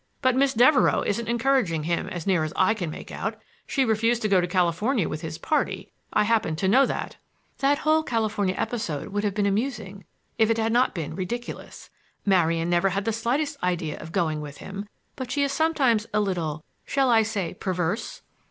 But Miss Devereux isn't encouraging him, as near as I can make out. She refused to go to California with his party—I happen to know that." "That whole California episode would have been amusing if it had not been ridiculous. Marian never had the slightest idea of going with him; but she is sometimes a little—shall I say perverse?